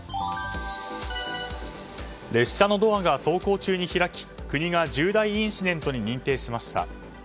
列車のドアが走行中に開き国が重大インシデントに認定しました。